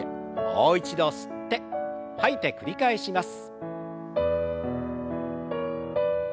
もう一度吸って吐いて繰り返します。